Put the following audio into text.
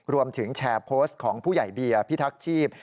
รวมถึงแชร์โพสต์ของผู้ใหญ่เบียร์พิทักษ์ชีพ